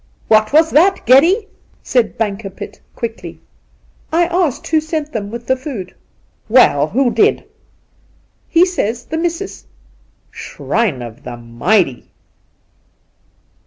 ' What was that, Geddy ?' said Bankerpitt quickly. 'I asked who sent them with the food.' ' Well, who did ?' 'He says "The missis"!' 'Shrine of the Mighty